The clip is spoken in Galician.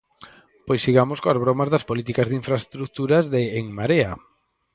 Pois sigamos coas bromas das políticas de infraestruturas de En Marea.